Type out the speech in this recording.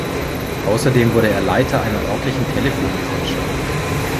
Außerdem wurde er Leiter einer örtlichen Telefongesellschaft.